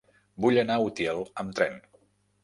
Vull anar a Utiel amb tren.